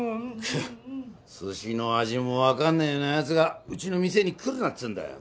ケッ寿司の味もわかんねえような奴がうちの店に来るなっつうんだよ。